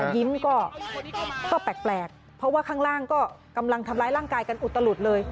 ยิ้มก็แปลกเพราะว่าข้างล่างก็กำลังทำร้ายร่างกายกันอุตลุดเลย